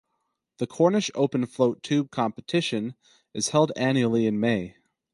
The Cornish open float tube competition is held annually in May.